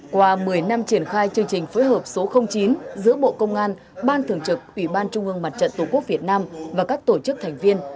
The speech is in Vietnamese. qua một mươi năm triển khai chương trình phối hợp số chín giữa bộ công an ban thường trực ủy ban trung ương mặt trận tổ quốc việt nam và các tổ chức thành viên